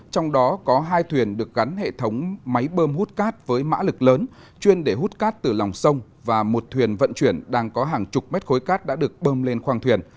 trong đó có hai thuyền được gắn hệ thống máy bơm hút cát với mã lực lớn chuyên để hút cát từ lòng sông và một thuyền vận chuyển đang có hàng chục mét khối cát đã được bơm lên khoang thuyền